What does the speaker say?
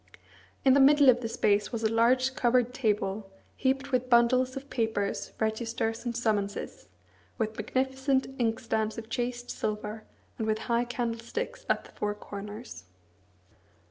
In the middle of the space was a large covered table, heaped with bundles of papers, registers, and summonses, with magnificent inkstands of chased silver, and with high candlesticks at the four corners.